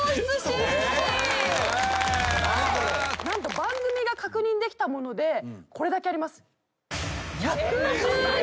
何と番組が確認できたものでこれだけあります。